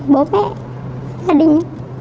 bố mẹ gia đình